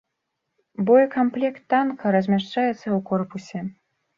Боекамплект танка размяшчаецца ў корпусе.